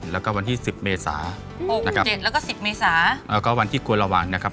แล้วก็วันที่สิบเมษานะครับเจ็ดแล้วก็สิบเมษาแล้วก็วันที่กวนระหว่างนะครับ